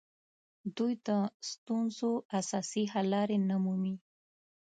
دوی د ستونزو اساسي حل لارې نه مومي